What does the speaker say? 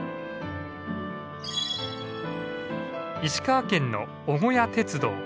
石川県の尾小屋鉄道。